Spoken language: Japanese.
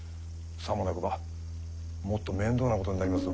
さもなくばもっと面倒なことになりますぞ。